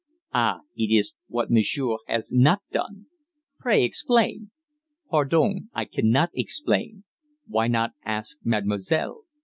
"Ah! it is what monsieur has not done." "Pray explain." "Pardon. I cannot explain. Why not ask mademoiselle?